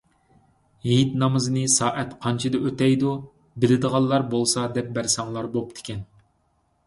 ھېيت نامىزىنى سائەت قانچىدە ئۆتەيدۇ؟ بىلىدىغانلار بولسا دەپ بەرسەڭلار بوپتىكەن.